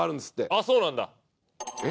あっそうなんだ。え？